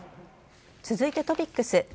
続いてトピックス。